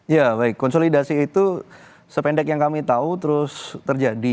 ya baik konsolidasi itu sependek yang kami tahu terus terjadi